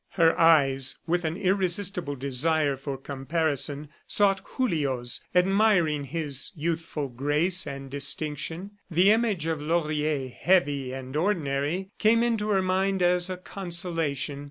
Her eyes, with an irresistible desire for comparison, sought Julio's, admiring his youthful grace and distinction. The image of Laurier, heavy and ordinary, came into her mind as a consolation.